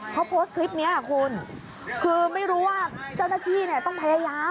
เขาโพสต์คลิปนี้คุณคือไม่รู้ว่าเจ้าหน้าที่เนี่ยต้องพยายาม